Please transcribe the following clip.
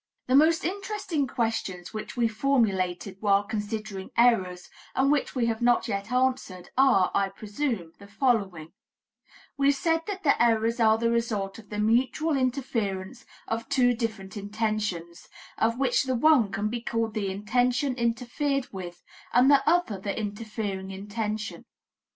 The most interesting questions which we formulated while considering errors, and which we have not yet answered, are, I presume, the following: We said that the errors are the result of the mutual interference of two different intentions, of which the one can be called the intention interfered with, and the other the interfering intention.